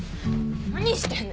何してんの？